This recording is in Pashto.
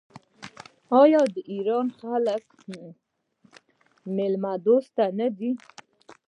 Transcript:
آیا د ایران خلک میلمه دوست نه دي؟